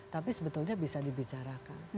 tapi sebetulnya bisa dibicarakan